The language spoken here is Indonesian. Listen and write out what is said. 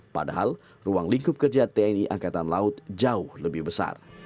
padahal ruang lingkup kerja tni angkatan laut jauh lebih besar